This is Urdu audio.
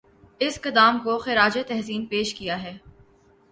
اس قدام کو خراج تحسین پیش کیا ہے